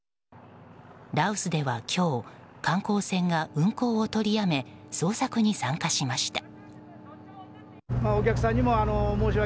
羅臼では今日観光船が運航を取りやめ捜索に参加しました。